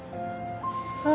そう。